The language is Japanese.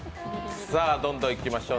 どんどんいきましょう。